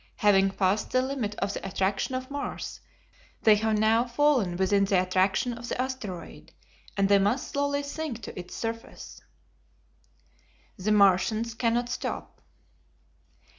Having passed the limit of the attraction of Mars, they have now fallen within the attraction of the asteroid, and they must slowly sink to its surface." The Martians Cannot Stop.